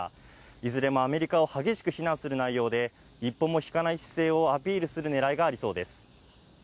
いずれもアメリカを激しく非難する内容で、一歩も引かない姿勢をアピールするねらいがありそうです。